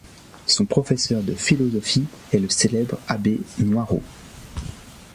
Son professeur de philosophie est le célèbre abbé Noirot.